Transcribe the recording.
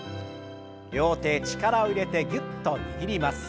両手力を入れてぎゅっと握ります。